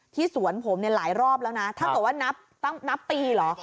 สวนผมเนี่ยหลายรอบแล้วนะถ้าเกิดว่านับปีเหรอ